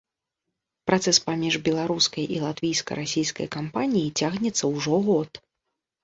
Працэс паміж беларускай і латвійска-расійскай кампаніяй цягнецца ўжо год.